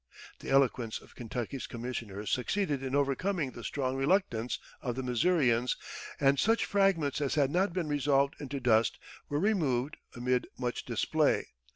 The eloquence of Kentucky's commissioners succeeded in overcoming the strong reluctance of the Missourians, and such fragments as had not been resolved into dust were removed amid much display.